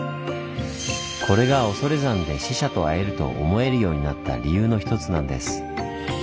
これが恐山で死者と会えると思えるようになった理由の一つなんです。